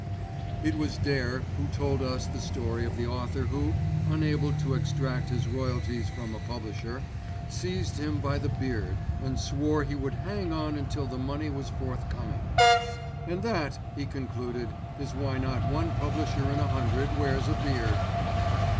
It was Dare who told us the story of the author who, unable to extract his royalties from a publisher, seized him by the beard and swore he would hang on until the money was forthcoming. "And that," he concluded, "is why not one publisher in a hundred wears a beard."